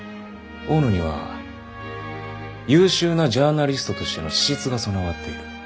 大野には優秀なジャーナリストとしての資質が備わっている。